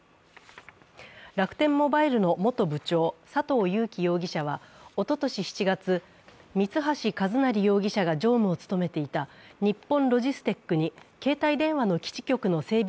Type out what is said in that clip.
楽天モバイルの元部長、佐藤友紀容疑者はおととし７月、三橋一成容疑者が常務を務めていた日本ロジステックに携帯電話の基地局の整備